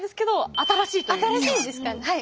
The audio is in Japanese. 新しいですかねはい！